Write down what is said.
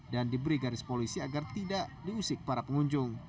dan diberi garis polisi agar tidak diusik para pengunjung